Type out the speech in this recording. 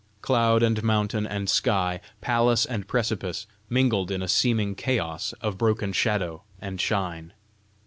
Cloud and mountain and sky, palace and precipice mingled in a seeming chaos of broken shadow and shine.